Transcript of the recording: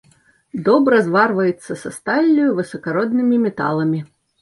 Добра зварваецца са сталлю і высакароднымі металамі.